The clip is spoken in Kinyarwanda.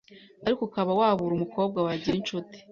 ariko ukaba wabura umukobwa wagira incuti